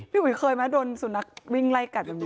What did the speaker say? อุ๋ยเคยไหมโดนสุนัขวิ่งไล่กัดแบบนี้